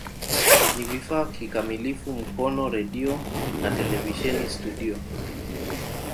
Ni vifaa kikamilifu Mkono redio na televisheni studio.